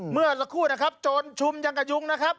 เมื่อสักครู่นะครับโจรชุมยังกระยุงนะครับ